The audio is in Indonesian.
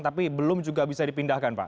tapi belum juga bisa dipindahkan pak